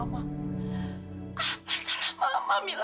apa salah mama mila